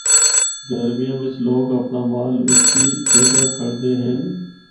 گرمیاں بچ لوگ اپنڑا مال اُچی جگہ کھڑدے ہن۔